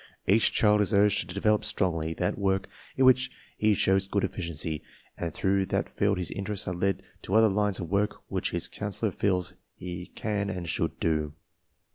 Each child is urged to develop strongly that v work in which he shows good efficiency, and through that field his interests are led into other lines of work which his counselor feels he can and should do.